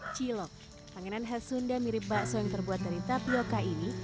cilok panganan khas sunda mirip bakso yang terbuat dari tapioca ini